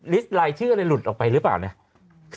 รายชื่ออะไรหลุดออกไปหรือเปล่าเนี่ย